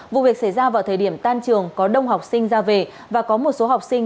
vụ việc xảy ra vào thời điểm tan trường có đông học sinh ra về và có một số học sinh